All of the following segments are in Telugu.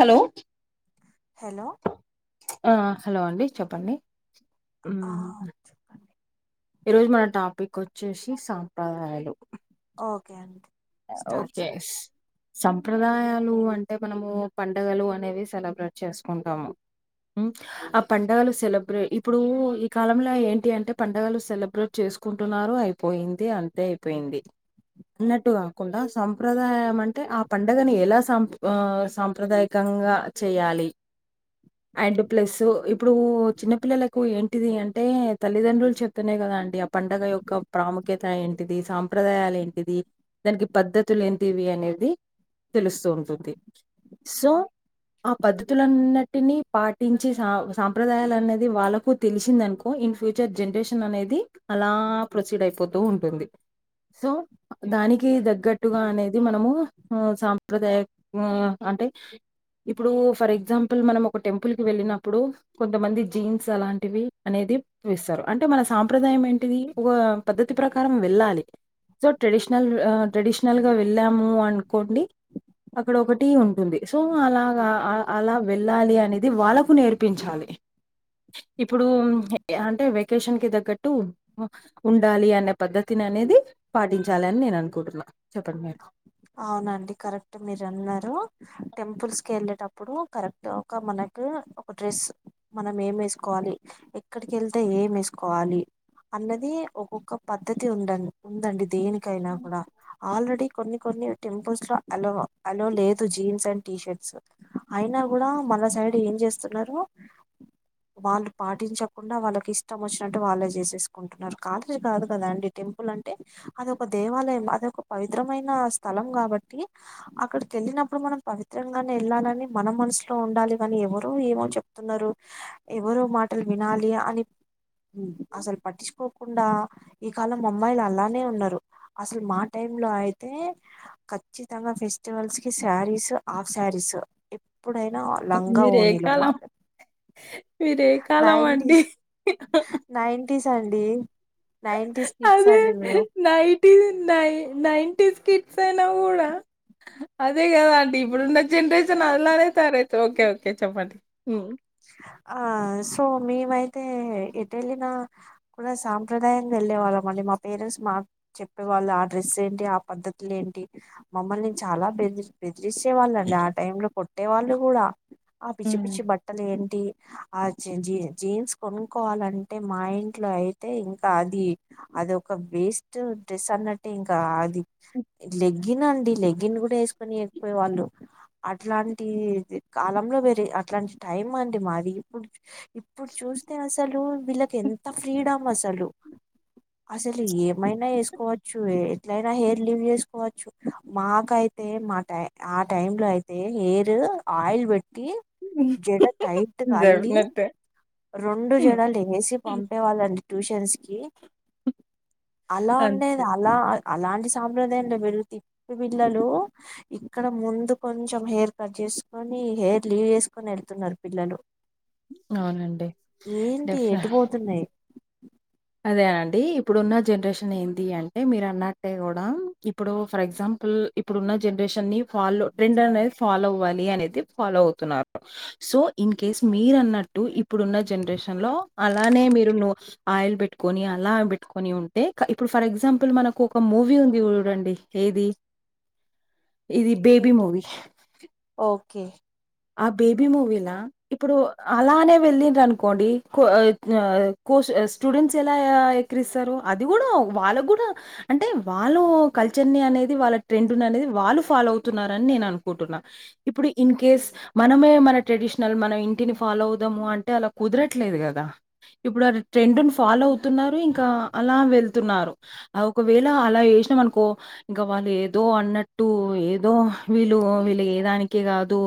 హలో హలో ఆ హలో అండి చెప్పండి ఆ ఉహు చెప్పండి ఈ రోజు మన టాపిక్ వచ్చేసి సాంప్రదాయాలు ఓకే అండి స్టార్ట్ ఓకే చేయండి సంప్రదాయాలు అంటే మనము పండగలు అనేవి సెలబ్రేట్ చేసుకుంటాము ఆ పండుగలు సెలబ్రే ఇప్పుడు ఈ కాలంలో ఏంటి అంటే పండగలు సెలబ్రేట్ చే చూసుకుంటున్నారు అయిపోయింది అంటే అయిపోయింది అన్నట్టుగా కాకుండా సంప్రదాయం అంటే ఆ పండగను ఎలా సా సాంప్రదాయకంగా చేయాలి లి అండ్ ప్లస్ ఇప్పుడు చిన్న పిల్లలకు ఏంటిది అంటే తల్లిదండ్రులు చెప్తనే కాద అంటే ఆ పండగ యొక్క ప్రాముఖ్యత ఏంటిది సాంప్రదాయాలు ఏంటిది దానికి పద్ధతులు ఏంటివి అనేది తెలుస్తు ఉంటుంది సో ఆ పద్ధతులన్నిటిని పాటించి సా సాంప్రదాయాలు అనేది వాళ్ళకు తెలిసింది అనుకో ఇన్ ఫ్యూచర్ జనరేషన్ అనేది అలా ప్రొసీడ్ అయిపోతూ ఉంటుంది సో దాని కి తగ్గట్టుగా అనేది మనము ఆ సాంప్రదాయ అంటే ఇప్పుడు ఫర్ ఎగ్జాంపుల్ మనం ఒక టెంపుల్కి వెళ్ళినప్పుడు కొంతమంది జీన్స్ అలాంటివి అనే [unintelligible] అంటే మన సాంప్రదాయం ఏంటిది ఒక పద్ధతి ప్రకారం వెళ్ళాలి సో ట్రెడిషనల్ ట్రెడిషనల్గా వెళ్ళాము అనుకోండి అక్కడ ఒకటి ఉంటుంది సో అలాగా అలా వెళ్ళాలి అనేది వాళ్ళలకు నేర్పించాలి ఇప్పుడు అంటే వెకేషన్ కి తగ్గట్టు ఉండాలి అనే పద్ద్దతి అనేది పాటించాలి అని నేను అనుకుంటున్నా చెప్పండి మీరు అవునండి కరెక్ట్ మీరు అన్నారు టెంపుల్స్ కి వెళ్ళేటప్పుడు కరెక్ట్ ఒక మన ఒక డ్రెస్ మనం ఏం ఎసుకోవాలి ఎక్కడికి వెళ్తే ఏం వేసుకోవాలి అన్నది ఒక్కొక్క పద్ధతి ఉంద ఉందండి దేనికైనా కూడ ఆల్రెడీ కొన్ని కొన్ని టెంపుల్స్ లో అ అలో లేదు జీన్స్ అండ్ టీ షర్ట్స్ అయినా కూడ మన సైడ్ ఏం చేస్తున్నారు వాళ్ళు పాటించకుండ వాళ్ళకి ఇష్టం వచ్చినట్టు వాళ్ళే చేసేసుకుంటున్నారు కాలేజీ కాదు కదా టెంపుల్ అంటే అదొ ఒక దేవాలయం అద ఒక పవిత్రమైన స్థలం కాబట్టి అక్కడికి వెళ్ళినప్పుడు మనం పవిత్రంగానే ఎళ్ళాలని మన మనసులో ఉండాలి కాని ఎవరో ఏమో చెప్తున్నారు ఎవరో మాటలు వినాలి అని అసలు పట్టిచుకో కుండా ఈ కాలం అమ్మాయిలు అలానే ఉన్నారు అసలు మా టైమ్ లో అయితే ఖచ్చితంగ ఫెస్టివల్స్ కి శారీస్ హాఫ్ శారీస్ ఎప్పుడైనా లంగా మీరే ఓనీలు మ కాలం మీరే కాలం అండి. నైంటీస్ నైంటీస్ అండి నైంటీస్ కిడ్స్ అదే అండి మేము నైటీ నై నైన్టేస్ అయిన కూడ అదే కదా అండి ఇప్పుడున్న జనరేషన్ అంలానే తాయ రైతే ఓకే ఓకే చెప్పండి ఆ సో మేమైతే ఎటేల్లిన కూడ సాంప్రదాయంగ వెళ్ళే వాళ్ళం మ మా పేరెంట్స్ మా చెప్పేవాళ్ళు ఆ డ్రెస్ ఏంటి ఆ పద్ద్దతులు ఏంటి [unintelligible] చాల బెదిరి బెదిరిచే వాళ్ళండి ఆ టైమ్ లో కొట్టే వాళ్ళు కూడ హ్మ్. బట్టలు ఏంటి ఆ జీన్స్ కొనుక్కోవాలంటే మా ఇంట్లో అయితే ఇంకా అది అది ఒక వేస్ట్ డ్రెస్ అన్నట్టు ఇంకా అది లె గ్గిన్ అండి లెగగిన్ కూడ వేసుకొనికపోయే వాళ్ళు అట్లాంటి కాలంలో వేరే అట్లాంటి టైం అండి మాది ఇప్పుడు ఇప్పుడు చూస్తే అసలు వీళ్ళకి ఎంత ఫ్రీడమ్ అసలు అసలు ఏమైనా వేసుకోవచ్చు ఎట్లైన హెయిర్ లివ్ చేసుకోవచ్చు మాకైతే మా టై ఆ టై లో అయితే హెయిర్ ఆయిల్ పెట్టి జడ టైట్ గా అల్లి డెఫినెట్ రెండు జడలు ఏసి పంపేవాళ్ళండి ట్యూషన్స్ కి అలా ఉండే అంతే అలా అలాంటి సాంప్రదాయం [unintelligible] పిల్లలు ఇక్కడ ముందు కొంచెం హెయిర్ కట్ చే చేసుకని హెయిర్ లీవ్ చేసుకొని వెళ్తున్నారు పిల్లలు అవునండి. ఏంటి డెఫినె ఎటు పోతున్నాయ్ అదేనండి ఇప్పుడు ఉన్న జనరేషన్ న్ ఎంది అంటే మీరు అన్నట్టే కూడా ఇప్పుడు ఫర్ ఎగ్జాంపుల్ ఇప్పుడు ఉన్న జనరేషన్ ని ఫాలో ట్రెండ్ అనేది ఫాలో అవ్వాలనేది ఫాలో అవుతున్నారు సో ఇన్కేస్ మీరన్నట్టు ఇ ఇప్పుడున్న జనరేషన్ లో అలానే మీరు ను ఆయిల్ పెట్ పెట్టుకొని అలా పెట్టుకొని ఉంటే ఇప్పుడు ఫర్ ఎగ్జాంపుల్ మనకు ఒక మూవీ ఉంది చూడండి ఏది ఇది బేబీ మూవీ కే ఆ బేబీ మూవీనా ఇప్పుడు అలానే వెళ్ళండ్రనుకోండి కో స్టూడెంట్ ఎలా ఎక్కిరిస్తారు అది కూడా వాళ్ళ కూడా అంటే వాళ్ళ కల్చర్ అనేది వాళ్ళ ట్రెండ్ అనేది వాళ్ళు ఫాలో అవుతున్నారని నేను అనుకుంటున్నా ఇప్పుడు ఇన్ కేస్ మనమే మన ట్రెడిషనల్ మన ఇంటిని ఫాలో అవుదాము అంటే అలా కుదరట్లేదు కదా ఇప్పుడు ఆ ట్రెండ్ ను ఫాలో అవుతున్నారు ఇంకా అలా వెళ్తున్నారు అ ఒకవేళ అలా వచ్చినం అనుకో ఇంకా వాళ్ళు ఏదో అన్నట్టు ఏదో వీళ్ళు వీళ్ళ ఏదానికి కాదు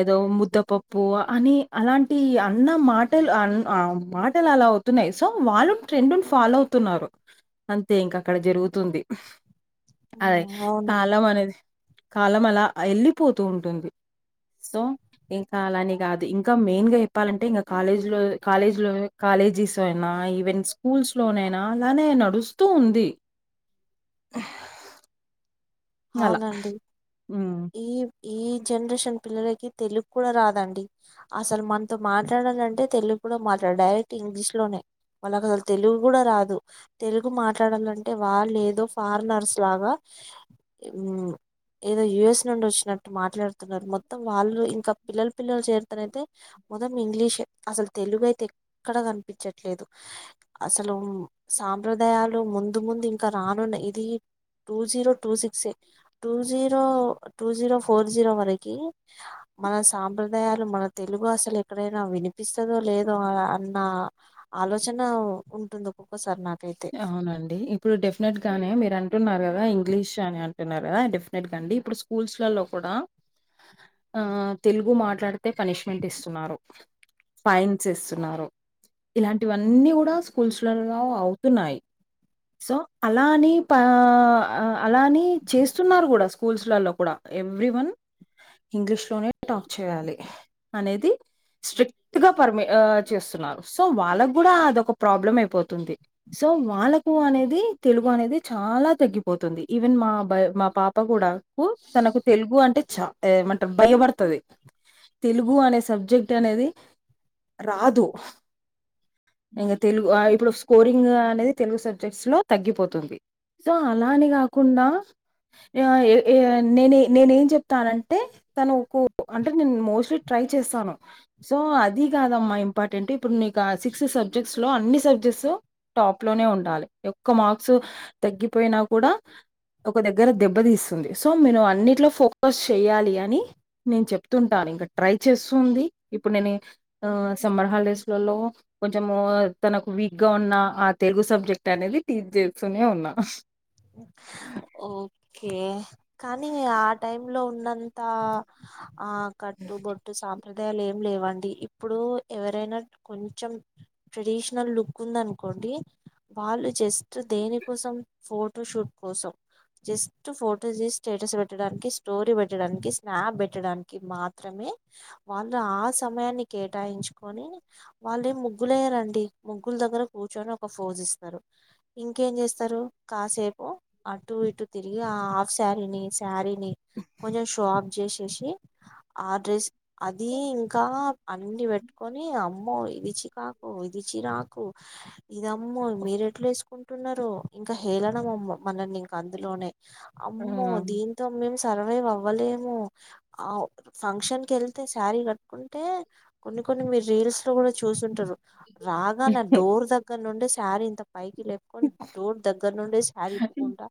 ఏదో ముద్దపప్పు అని అలాంటి అన్న మాటలు అన్ మాటలు అలా అవుతు న్నాయి సో వాళ్ళు ట్రెండు ఫాలో అవుతున్నారు అంతే ఇంక అక్కడ జరుగుతుంది అదే ఉమ్, కాలం అవునండి అనేది కాలం అలా ఎళ్ళిపోతూ ఉంటుంది సో ఇంకా అలా అని కాదు ఇంకా మెయిన్ గా చెప్పాలంటే ఇంకా కాలేజీ లో కాలేజ్ లో కాలేజ్ జిస్ అయినా ఈవెన్ స్కూల్స్ లోనైనా అలానే నడుస్తూ ఉంది [inaudible] అలా. అవునండి హ్మ్. ఈ ఈ జనరేషన్ పిల్లలకి తెలుగు కూడా రాదండి అసలు మనతో మాట్లాడాలంటే తెలు ప్పుడ మాట్లాడ డైరెక్ట్ ఇంగ్లీష్ లోనే వాళ్ళకు అసలు తెలుగు కూడా రాదు తెలుగు మాట్లాడాలంటే వాళ్ళు ఏదో ఫారినర్స్ లాగా ఉ ఏదో యుఎస్ నుండి వచ్చినట్టు మాట్లాడుతున్నారు మొత్తం వాళ్ళు ఇంకా పిల్లల పిల్లలు చేరితనయితే మొదం ఇంగ్లీషె అసలు తెలుగు అయితే ఎక్కడ కనిపించట్లేదు అసలు సాంప్రదాయాలు ముందు ముందు ఇంకా రానున్నాయి ఇది two zero two six two zero two zero four zero వరకి మన సాంప్రదాయ అసలు మన తెలుగు అసలు ఎక్కడైనా వినిపిస్తదో లేదో అన్న ఆలోచన ఉంటుంది ఒక్కొక్కసారి నా అవునండి ఇప్పుడు డెఫినెట్ గానే మీరన్ అంటున్నారు కదా ఇంగ్లీష్ అని అంటున్నారు కదా డెఫినెట్ గా అండి ఇప్పుడు స్కూల్స్ లలో కూడా ఆ తెలుగు మాట్లాడితే పనిష్మెంట్ ఇస్తున్నారు ఫైన్స్ ఇస్తున్నారు ఇలాంటివన్నీ కూడా స్కూల్స్ లో అవ్ స్తున్నాయి సో అలాని పా అలాని చేస్తున్నారు కూడా స్కూల్స్లలో కూడా ఎవ్రీ వన్ ఇంగ్లీష్ లోనే టాక్ చేయాలి అనేది స్ట్రిక్ట్ గా పర్మి చేస్తున్నారు సో వాళ్ళకు కూడా అదొక ప్రాబ్లం అయిపోతుంది సో వాళ్ళకు అనేది తెలుగు అనేది చాలా తగ్గిపోతుంది ఈవెన్ మా బ మా పాప కూడా ఒ తనకు తెలుగు అంటే చ ఏమంటం భయపడతది తెలుగు అనే సబ్జెక్ట్ అనేది రాదు ఇంగ తెలుగు ఆ ఇప్పుడు స్కోరింగ్ అనేది తెలుగు సబ్జెక్ట్స్ లో తగ్గిపోతుంది సో అలాని కాకుండా ఆ ఏ ఎ నే నేను ఏం చెప్తానంటే తనుకు అంటే నెన్ మోస్ట్లీ ట్రై ట్రై చేస్తానావ్ సో అది కాదమ్మా ఇంపార్టెంట్ ఇప్పుడు నీకు ఆ సిక్స్ సబ్జెక్ట్స్ లో అన్ని సబ్జెక్ట్స్ టాప్ లోనే ఉండాలి ఎక్క మార్క్స్ తగ్గిపోయినా కూడా ఒక దగ్గర దెబ్బతీస్తుంది సో మీరు అన్నిట్లో ఫోకస్ చెయాలి అని నేను చెప్తుంటాను ఇంకా ట్రై చేస్తుంది ఇప్పుడు నేను సమ్మర్ హాలిడేస్లలో కొంచము తనకు వీక్ గా ఉన్న ఆ తెలుగు సబ్జెక్ట్ అనేది టీచ్ చేస్తూనే ఉన్నా ఓకే కానీ ఆ టైమ్ లో ఉన్నంత ఆ కట్టు బొట్టు సా సంప్రదాయాలు ఏం లేవండి ఇప్పుడు ఎవరైనా కొంచెం ట్రెడిషనల్ లుక్ ఉందనుకో కొండి వాళ్ళు జస్ట్ దేనికోసం ఫోటోషూట్ కోసం జస్ట్ ఫోటోస్ తీసి స్టేటస్ పెట్టడానికి స్టోరీ పెట్టడానికి స్నాప్ పెట్టడానికి మాత్రమే వాళ్ళు ఆ సమయాన్ని కేటాయించుకొని వాళ్ళేం ముగ్గులేయరండి ముగ్గు గులు దగ్గర కూర్చొని ఒక ఫోజ్ ఇస్తారు ఇంకేం చేస్తారు కాసేపు అటు ఇటు తిరిగి ఆ హఫ్ సారీని సారీని కొంచెం షో ఆఫ్ చేసేసి ఆ డ్రెస్ అది ఇంకా అన్ని పెట్టుకొని అమ్మో ఇది చికాకు ఇది చిరాకు ఇదమ్మో మెరేట్ల వేసుకుంటున్నారు ఇంకా హేళన మనల్ని ఇంక అందులోనే అమ్మో ఆ! దీంతో మేము సర్వీవ్ అవ్వలేము ఆ ఫంక్షన్కి వెళ్తే శారీ కట్టుకుంటే కొన్ని కొన్ని మీరు రీల్స్ లో కూడా చూసుంటారు రాగానే డోర్ దగ్గర నుండి శారీ ఇంత పైకి లేపుకొని డోర్ దగ్గర నుండే సారీ ఇప్పుకుంటా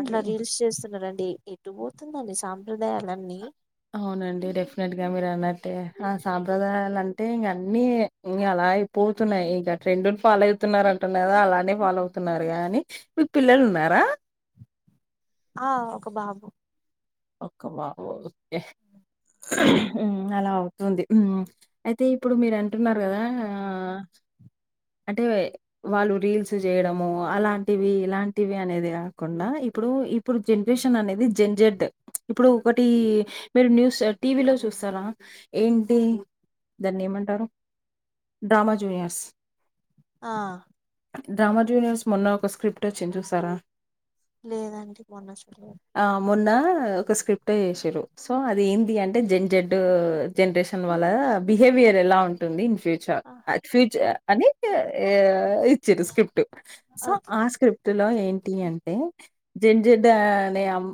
అట్లా రీల్స్ చేస్తా న్నారండి ఎట్టు పోతుందండి సాంప్రదాయాలన్నీ అవునండి డెఫినెట్ గా మీరు అన్నట్టే ఆ సాంప్రదాయాలు అంటే ఇంక అన్ని ఇ అలా అయిపోతున్నాయి ఇగ ట్రెండును ఫాలో అవుతున్నారంట కదా అలానే ఫాలో అవుతున్నారు కానీ పిల్లలు ఉన్నారా ఆ ఒక బాబు ఒక్క బాబు ఒకే అలా అవుతుంది అయితే ఇప్పుడు మీరు అంటున్నారు కదా ఆ అంటే వాళ్ళు రీల్స్ చేయడము అలాంటివి ఇలాంటివి అనేది కాకుండా ఇప్పుడు ఇప్పుడు జనరేషన్ అనేది జెంజెడ్ ఇప్పుడు ఒకటి మీరు న్యూస్ టీవీలో చూస్తారా ఏంటి దాన్ని ఏమంటారు డ్రామా జూనియర్స్ ఆ డ్రామా జూనియర్స్ మొన్న ఒక స్క్రిప్ట్ వచ్చింది చూసారా లేదండి మొన్న చూడలేదు ఆ మొన్న ఒక స్క్రిప్ట్ చేసారు సో అది ఏంది అంటే జెన్ జెడ్ జనరేషన్ వాళ్ళ బిహేవియర్ పర్ ఎలా ఉంటుంది ఇన్ ఫ్యూచర్ ఆ అ ఫ్యూచర్ ఓ- అనే స్క్రిప్ట్ సో ఓకే ఆ స్క్రిప్ట్ లో ఏంటి టీ అంటే జడ్ జిడ్ నమ్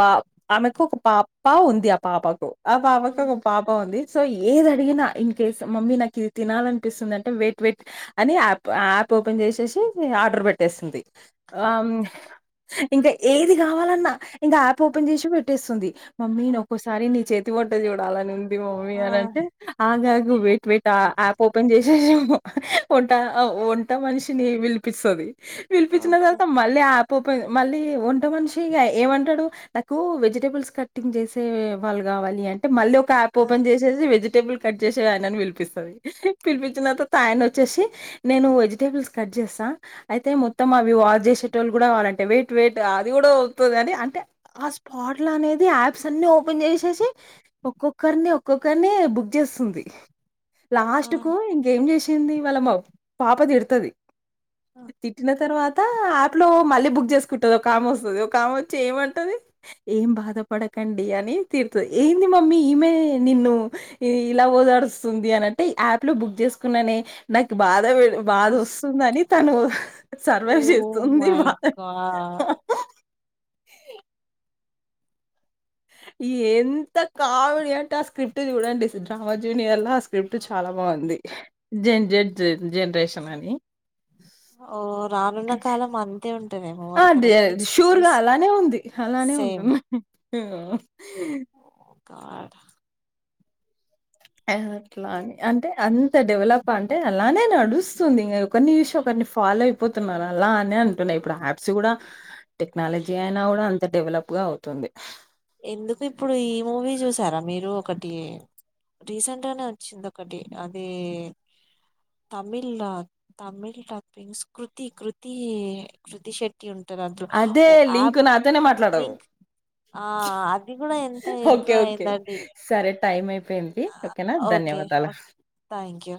బా ఆమెకు ఒక పాప ఉంది ఆ పాపకు ఆ పాపకు ఉమ్, ఒక పాప ఉంది సో ఏది అడిగినా ఇన్ కేస్ మమ్మీ నాకు ఇది తినాలనిపిస్తుంది అంటే వెయిట్ వెయిట్ అని యాప్ యాప్ పన్ చేసేసి ఆర్డర్ పెట్టేసింది ఓ- ఇంకా ఏది కావాలన్నా ఇంకా యాప్ ఓపెన్ చేసి పెట్టేస్తుంది మమ్మీ ఓ- ఒక్కోసారి నీ చే వంట చూడాలని ఉంది మమ్మీ ఆ అని అంటే ఆగాగు వెయిట్ వెయిట్ ఆ యాప్ ఓపెన్ చేసేసి వంట వంట మనిషిని పిలిపిస్తది పిలిపించిన ఓకే తర్వాత మళ్ళీ అప్ పోపి మళ్ళీ ఒంట మనిషి ఇగ ఏమంటాడు తు వెజిటేబుల్స్ కట్టింగ్ చేసే వాళ్ళు కావాలి అంటే మళ్ళీ ఒక యాప్ ఆ ఓపెన్ చేసేసి వెజిటేబుల్ కట్ చేసి ఆయనని పిలిపిస్తది పిలిపించిన తర్వాత ఆయన వచ్చేసి నేను వెజిటేబుల్స్ కట్ చేస్తా ఆ అయితే మొత్తం అవి వాచ్ చేసేట వాళ్ళు కూడా కావాలంటే వెయిట్ వెయిట్ అది కూడా అవుతుంది అని అంటే ఆ స్పాట్ల అనేది యాప్స్ అన్ని ఓపెన్ చేసేసి ఒక్కొక్కరిని ఒక్కొక్కరిని బుక్చే సుందీ ఆ లాస్ట్ కు ఇంకేం చేసింది వాళ్ళ మా పాప తిడుతది ఆ, తిట్టిన తరువాత త ఆప్ లో మళ్ళీ బుక్ చేసుకుంటది ఒకకామ వస్తది ఒక కామ వచ్చి ఏమంటది ఏం బాధపడకండి అని తీరుతది ఏంది మమ్మీ ఈమె నిన్ను ఇలా దరుస్తుంది అంటే యాప్ లో బుక్ చేసుకున్నా నాకు బాధ బాధ ఆ. వస్తుందిని తను సర్వైవ్ చేస్తుంది బాధ ఆ [unintelligible] ఎంత కామెడీ అంటే ఆ స్క్రిప్ట్ చూడండి డ్రామా జూనియర్లా ఆ స్క్రిప్ట్ చాలా బాంది జం జడ్ జనరేషన్ అని ఓ రానున్న కాలం అంతే ఉం ఆదే షూర్గా అలానే ఉంది అలానే సేమ్ ఉంటుంది [unintelligible] క ఏ అట్లాని అంటే అంత డెవలప్ అంటే అలానే నడుస్తుంది ఇంగ ఒకన్ని విషయం ఒక డే ఫాలో అయిపోతున్నారు అలా అని అంటున్నాయి ఇప్పుడు యాప్స్ కూడా టెక్నాలజీ అయినా కూడా అంత డెవలప్గా అవుతుంది ఎందుకు ఇప్పుడు ఈ మూవీ చూసారా మీరు ఒకటి రీసెంట్ గానే వచ్చింది ఒకటి అది తమిళ తమిళ్ టప్పింగ్స్ కృతి కృతి కృతి శెట్టి ఉం అదే లింకు నాతోనే మాట్లాడరు లింక్ ఆ అది కూడా ఎంత ఇంప్రూవ్ అయిందండి టె టైమ్ అయిపోయింది ఓకేనా ఓకే ధన్యవాదాలు థ్యాంక్ యూ